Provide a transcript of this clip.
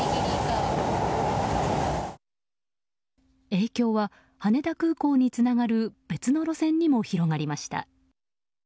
影響は羽田空港につながる別の路線にも広がりました。